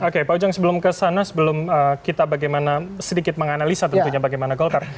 oke pak ujang sebelum kesana sebelum kita bagaimana sedikit menganalisa tentunya bagaimana golkar